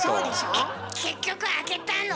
えっ結局開けたの？